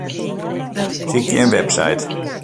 Sykje in website.